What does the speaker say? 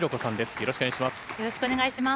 よろしくお願いします。